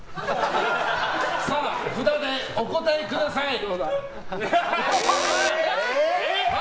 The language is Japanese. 札でお答えください！×